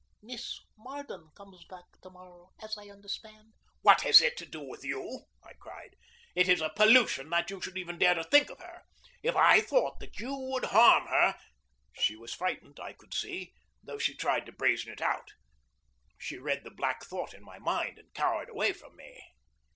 Miss Marden comes back to morrow, as I understand." "What has that to do with you?" I cried. "It is a pollution that you should dare even to think of her. If I thought that you would harm her " She was frightened, I could see, though she tried to brazen it out. She read the black thought in my mind, and cowered away from me.